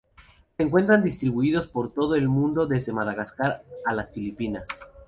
Se encuentran distribuidos por todo el mundo desde Madagascar a las Filipinas.